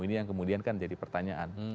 ini yang kemudian kan jadi pertanyaan